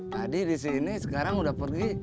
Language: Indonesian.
tadi di sini sekarang udah pergi